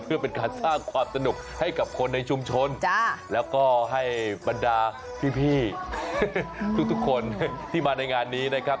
เพื่อเป็นการสร้างความสนุกให้กับคนในชุมชนแล้วก็ให้บรรดาพี่ทุกคนที่มาในงานนี้นะครับ